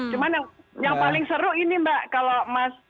cuma yang paling seru ini mbak kalau mas